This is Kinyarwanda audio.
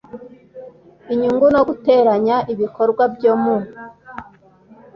inyungu no gutenganya ibikorwa byo mu